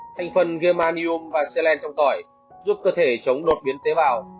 thành phần germanium và selen trong tỏi giúp cơ thể chống đột biến tế bào